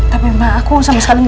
tapi mama aku sama sekali gak